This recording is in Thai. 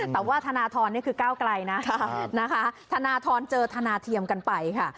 แต่ว่าธนทรนี่คือก้าวไกลนะนะคะธนทรเจอธนาเทียมกันไปค่ะ